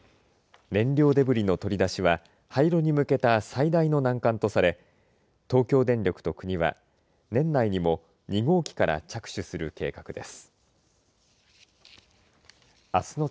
燃料デブリの取り出しは廃炉に向けた最大の難関とされ東京電力と国は年内にも２号機から着手する計画です。